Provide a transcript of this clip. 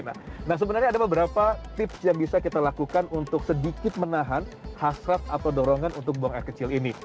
nah sebenarnya ada beberapa tips yang bisa kita lakukan untuk sedikit menahan hasrat atau dorongan untuk buang air kecil ini